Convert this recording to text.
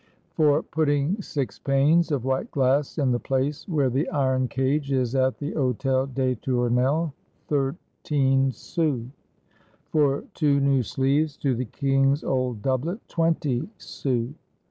208 WHERE LOUIS XI SAID HIS PRAYERS "For putting six panes of white glass in the place where the iron cage is at the Hotel des Tournelles, thir teen sous. "For two new sleeves to the king's old doublet, twenty sous.